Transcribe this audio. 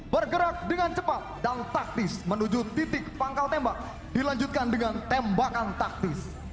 bergerak dengan cepat dan taktis menuju titik pangkal tembak dilanjutkan dengan tembakan taktis